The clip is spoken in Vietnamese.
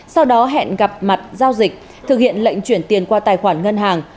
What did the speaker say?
sau đó hẹn gặp mặt giao dịch thực hiện lệnh chuyển tiền qua tài khoản ngân hàng